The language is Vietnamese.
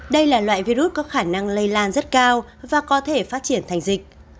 đây là loại virus có khả năng lây lan rất cao và có thể phát triển thành dịch